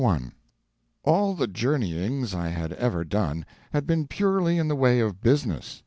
All the journeyings I had ever done had been purely in the way of business.